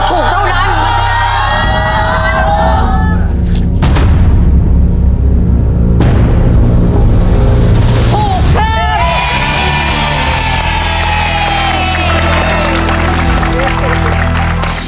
ถูกเท่านั้น